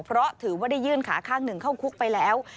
เพราะถือว่าได้ยื่นขาข้างหนึ่งเข้าคุกไปแล้ว